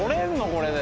これで。